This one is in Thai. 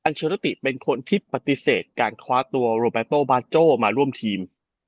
อนเชิรติเป็นคนที่ปฏิเสธการคว้าตัวบาโจมาร่วมทีม